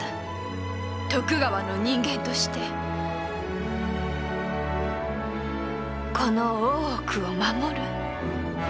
徳川の人間としてこの大奥を守る。